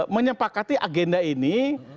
menyepakati agenda ini